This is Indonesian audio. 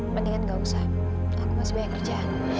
mendingan gak usah aku masih bayang kerja